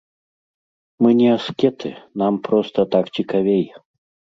Мы не аскеты, нам проста так цікавей.